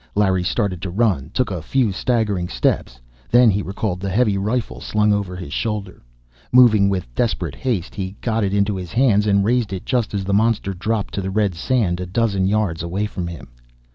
Larry started to run, took a few staggering steps. Then he recalled the heavy rifle slung over his shoulder. Moving with desperate haste, he got it into his hands and raised it just as the monster dropped to the red sand a dozen yards away from him.